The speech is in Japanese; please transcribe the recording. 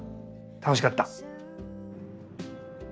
楽しかった。